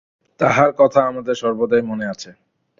তাহার কথা আমাদের সর্বদাই মনে আছে।